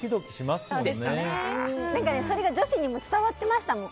それが女子にも伝わってました。